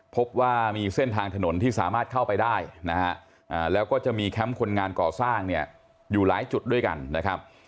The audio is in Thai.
พบว่ามีเส้นทางถนนที่สามารถเข้าไปได้นะฮะแล้วก็จะมีแคมป์คนงานก่อสร้างเนี่ยอยู่หลายจุดด้วยกันนะครับ